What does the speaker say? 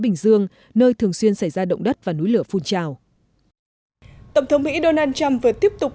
bình dương nơi thường xuyên xảy ra động đất và núi lửa phun trào tổng thống mỹ donald trump vừa tiếp tục